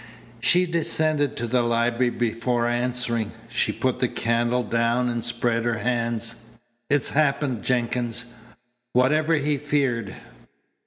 She descended to the library before answering. She put the candle down and spread her hands. "It's happened, Jenkins whatever he feared."